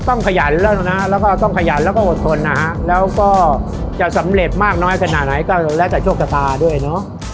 ขยันแล้วนะแล้วก็ต้องขยันแล้วก็อดทนนะฮะแล้วก็จะสำเร็จมากน้อยขนาดไหนก็แล้วแต่โชคชะตาด้วยเนอะ